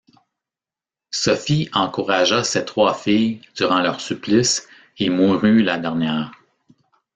Sophie encouragea ses trois filles durant leur supplice et mourut la dernière.